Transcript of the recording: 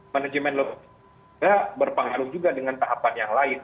manajemen logistik berpengaruh juga dengan tahapan yang lain